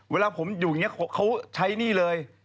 เวลาผมอยู่อย่างนี้เขาใช้หนี้เลย